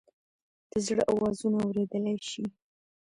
د زړه آوازونه اوریدلئ شې؟